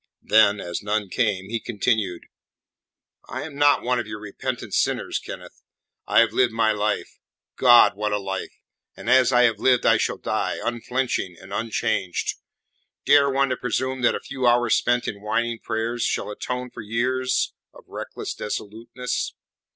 Then, as none came, he continued: "I am not one of your repentant sinners, Kenneth. I have lived my life God, what a life! and as I have lived I shall die, unflinching and unchanged. Dare one to presume that a few hours spent in whining prayers shall atone for years of reckless dissoluteness?